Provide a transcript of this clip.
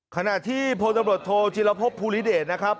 ขณะที่โพธิบริษัทโทจิลภพภูริเดชนะครับ